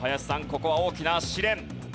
ここは大きな試練。